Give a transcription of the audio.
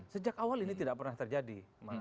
sejak awal ini tidak pernah terjadi